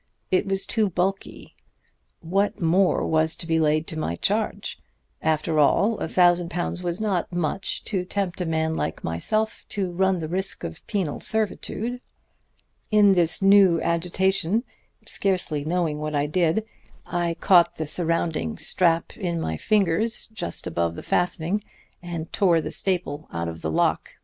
It was too bulky. What more was to be laid to my charge? After all, a thousand pounds was not much to tempt a man like myself to run the risk of penal servitude. In this new agitation, scarcely knowing what I did, I caught the surrounding strap in my fingers just above the fastening and tore the staple out of the lock.